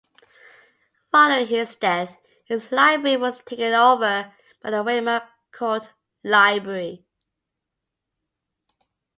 Following his death, his library was taken over by the Weimar court library.